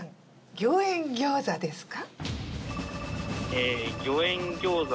餃苑餃子ですか？